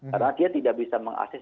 karena dia tidak bisa mengakses